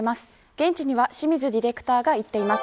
現地には清水ディレクターが行っています。